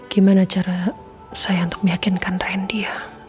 gimana cara saya untuk meyakinkan randy ya